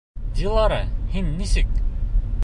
Дилара, һин нисек?..